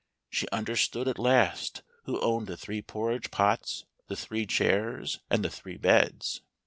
She understood at last who owned the three porridge pots, the three chairs, and the three beds.